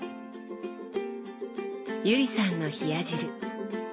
友里さんの冷や汁。